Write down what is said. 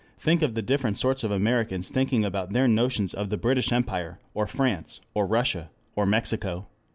Think of the different sorts of Americans thinking about their notions of "The British Empire" or "France" or "Russia" or "Mexico."